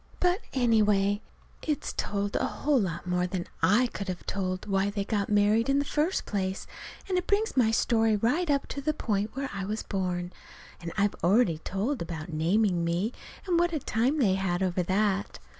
But, anyway, it's told a whole lot more than I could have told why they got married in the first place, and it brings my story right up to the point where I was born; and I've already told about naming me, and what a time they had over that.